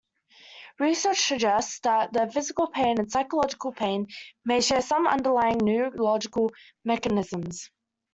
Research suggests that physical pain and psychological pain may share some underlying neurological mechanisms.